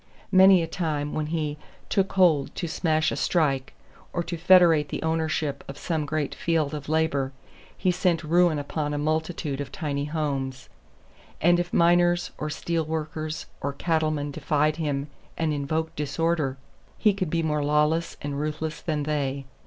Many a time when he "took hold" to smash a strike, or to federate the ownership of some great field of labor, he sent ruin upon a multitude of tiny homes; and if miners or steel workers or cattlemen defied him and invoked disorder, he could be more lawless and ruthless than they.